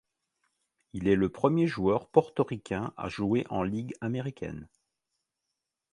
Il est le premier joueur portoricain a joué en Ligue américaine.